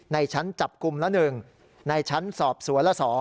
ในชั้นจับกลุ่มละ๑ในชั้นสอบสวนละ๒